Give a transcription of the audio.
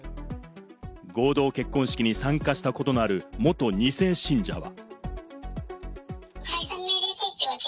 合同結婚式に参加したことのある元２世信者は。